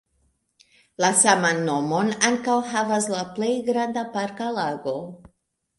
La saman nomon ankaŭ havas la plej granda parka lago.